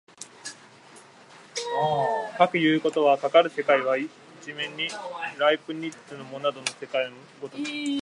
かくいうことは、かかる世界は一面にライプニッツのモナドの世界の如く